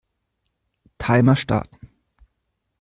Timer starten.